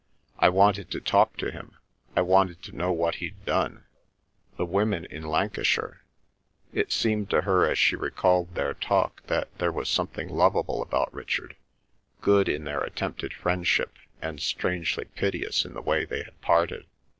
"I wanted to talk to him; I wanted to know what he'd done. The women in Lancashire—" It seemed to her as she recalled their talk that there was something lovable about Richard, good in their attempted friendship, and strangely piteous in the way they had parted.